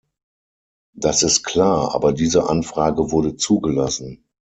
Das ist klar, aber diese Anfrage wurde zugelassen.